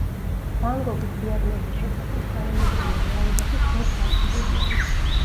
ვან გოგის დიაგნოზის შესახებ თანამედროვე რეალობაშიც ვერ თანხმდებიან.